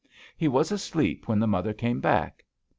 He was asleep when the mother came back.